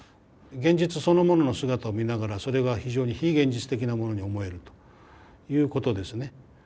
現実そのものの姿を見ながらそれが非常に非現実的なものに思えるということですね。